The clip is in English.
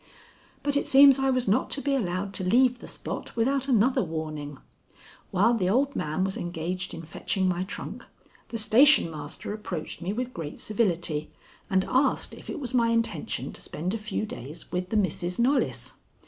But it seems I was not to be allowed to leave the spot without another warning. While the old man was engaged in fetching my trunk, the station master approached me with great civility, and asked if it was my intention to spend a few days with the Misses Knollys.